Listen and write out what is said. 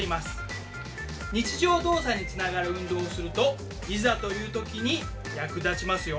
日常動作につながる運動をするといざという時に役立ちますよ。